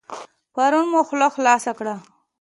پرون مو خوله خلاصه کړه.